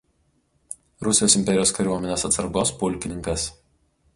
Rusijos imperijos kariuomenės atsargos pulkininkas.